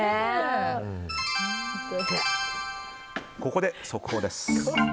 ここで速報です。